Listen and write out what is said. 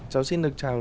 cháu xin được chào